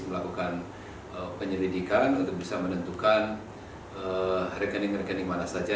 melakukan penyelidikan untuk bisa menentukan rekening rekening mana saja